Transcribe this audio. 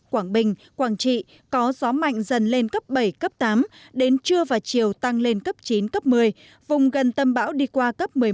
quảng bình quảng trị có gió mạnh dần lên cấp bảy cấp tám đến trưa và chiều tăng lên cấp chín cấp một mươi vùng gần tâm bão đi qua cấp một mươi một